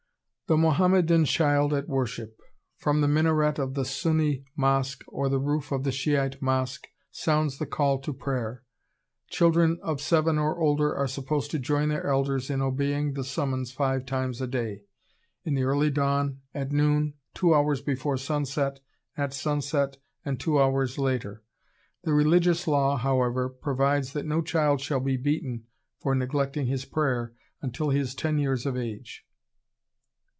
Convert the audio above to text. ] The Mohammedan Child at Worship! From the minaret of the Sunni Mosque or the roof of the Shi'ite Mosque sounds the call to prayer. Children of seven or older are supposed to join their elders in obeying the summons five times a day, in the early dawn, at noon, two hours before sunset, at sunset, and two hours later. The religious law, however, provides that no child shall be beaten for neglecting his prayer until he is ten years of age.